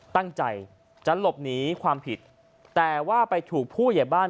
ตั้งใจจะหลบหนีความผิดแต่ว่าไปถูกผู้ใหญ่บ้าน